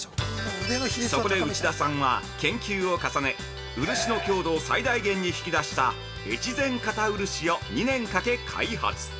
そこで内田さんは研究を重ね漆の強度を最大限に引き出した越前硬漆を２年かけ開発。